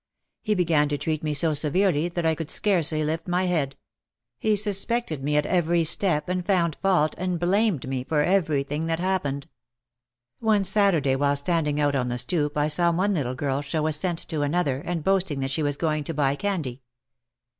He began to treat me so severely that I could scarcely lift my head. He suspected me at every step and found fault and blamed me for everything that happened. One Saturday while standing out on the stoop I saw one little girl show a cent to another and boasting that she was going to buy candy.